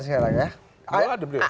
bola ada di pak lawli